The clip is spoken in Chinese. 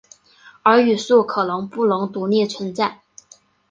而语素可能不能独立存在。